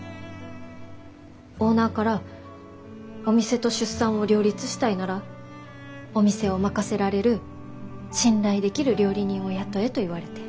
オーナーからお店と出産を両立したいならお店を任せられる信頼できる料理人を雇えと言われて。